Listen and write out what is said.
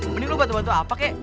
mending lo bantu bantu apa kek